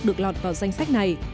được lọt vào danh sách này